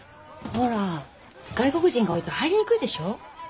ほら外国人が多いと入りにくいでしょ。